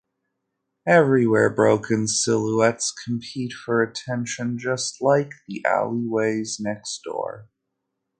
Everywhere broken silhouettes compete for attention, just like the alleyways next door.